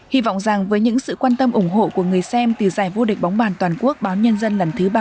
hy vọng rằng với những sự quan tâm ủng hộ của người xem từ giải vô địch bóng bàn toàn quốc báo nhân dân lần thứ ba mươi tám